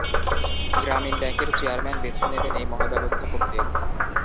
গ্রামীণ ব্যাংকের চেয়ারম্যান বেছে নেবেন এই মহাব্যবস্থাপকদের।